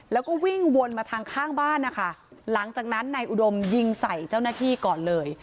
แล้วก็วิ่งวนมาทางข้างบ้านนะคะหลังจากนั้นนายอุดมยิงใส่เจ้าหน้าที่ก่อนเลย